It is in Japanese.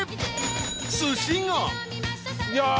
寿司が。